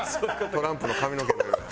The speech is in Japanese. トランプの髪の毛の色や。